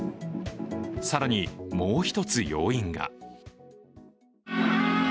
更にもう一つ要因が。